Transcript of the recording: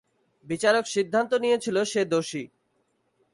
বিচারক সিদ্ধান্ত নিয়েছিল, সে দোষী।